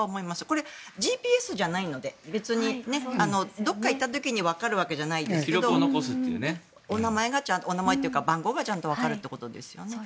これ、ＧＰＳじゃないので別にどこかに行った時にわかるわけじゃないですけどお名前というか番号がちゃんとわかるということですね。